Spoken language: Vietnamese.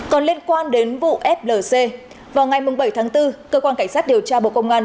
còn liên quan đến vụ flc vào ngày bảy tháng bốn cơ quan cảnh sát điều tra bộ công an